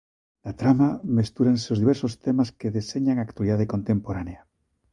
Na trama mestúranse os diversos temas que deseñan a actualidade contemporánea.